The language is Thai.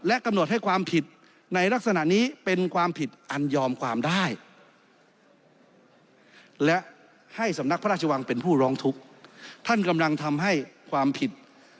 ท่านกำลังทำให้ความผิด